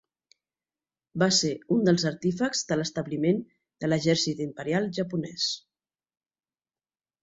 Va ser un dels artífexs de l'establiment de l'exèrcit imperial japonès.